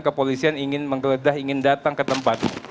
kepolisian ingin menggeledah ingin datang ke tempat